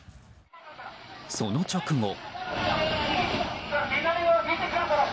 その直後。